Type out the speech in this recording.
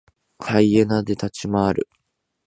ハイエナで立ち回る。